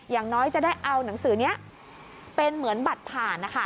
อย่างน้อยจะได้เอาหนังสือนี้เป็นเหมือนบัตรผ่านนะคะ